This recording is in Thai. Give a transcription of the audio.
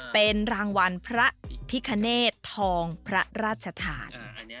เป็นรางวัลพระพิคเนธทองพระราชทาน